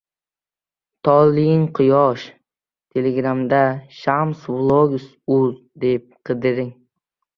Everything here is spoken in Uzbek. Toleing- quyosh